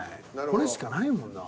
これしかないもんな。